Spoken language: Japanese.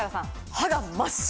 歯が真っ白！